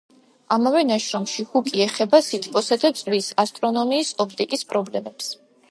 ამავე ნაშრომში ჰუკი ეხება სითბოსა და წვის, ასტრონომიის, ოპტიკის პრობლემებს.